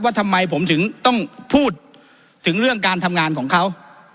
ทำไมผมถึงต้องพูดถึงเรื่องการทำงานของเขา